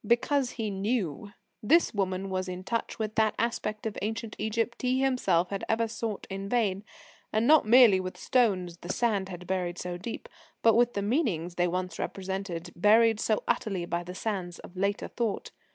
Because he knew. This woman was in touch with that aspect of ancient Egypt he himself had ever sought in vain; and not merely with stones the sand had buried so deep, but with the meanings they once represented, buried so utterly by the sands of later thought.